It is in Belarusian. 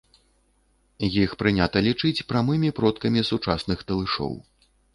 Іх прынята лічыць прамымі продкамі сучасных талышоў.